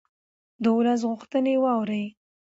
د ولس غوښتنې واورئ